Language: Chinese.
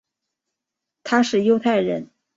他是犹太人。